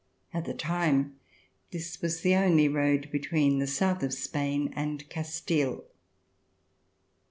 At the time this was the only road between the south of Spain and Castile.